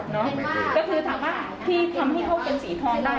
ก็คือถามว่าที่ทำให้เขาเป็นสีทองได้